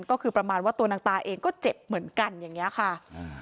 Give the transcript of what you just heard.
ก็คือประมาณว่าตัวนางตาเองก็เจ็บเหมือนกันอย่างเงี้ยค่ะอ่า